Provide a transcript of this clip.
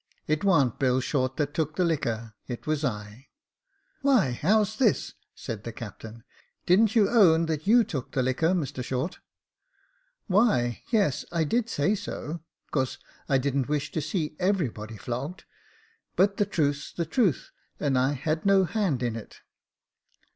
It warn't Bill Short that took the liquor ; it was I.' *'* Why, how's this?' said the captain; 'didn't you own that you took the liquor, Mr Short ?'"* Why, yes, I did say so, 'cause I didn't wish to see everybody flogged — but the truth's the truth, and I had no hand in it.'